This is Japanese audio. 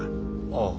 ああ。